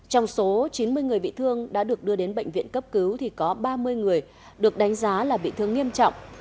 trong số chín mươi người bị thương đã được đưa đến bệnh viện cấp cứu thì có ba mươi người được đánh giá là bị thương nghiêm trọng